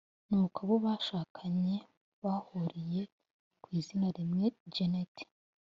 ni uko abo bashakanye bahuriye ku izina rimwe Janet